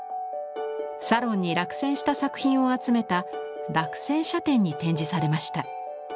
サロンに落選した作品を集めた落選者展に展示されました。